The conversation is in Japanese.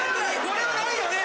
これはないよね？